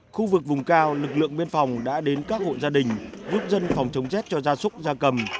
khu vực vùng cao lực lượng biên phòng đã đến các hộ gia đình giúp dân phòng chống rét cho gia súc gia cầm